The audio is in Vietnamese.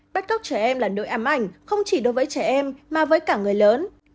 bắt cóc trẻ em là nỗi ám ảnh không chỉ đối với trẻ em mà với cả người lớn